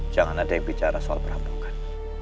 jangan ada yang bicara soal perampokan